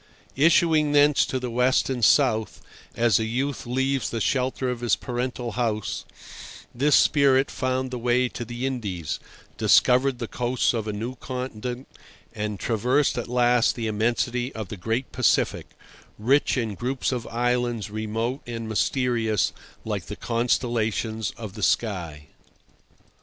Issuing thence to the west and south, as a youth leaves the shelter of his parental house, this spirit found the way to the Indies, discovered the coasts of a new continent, and traversed at last the immensity of the great Pacific, rich in groups of islands remote and mysterious like the constellations of the sky.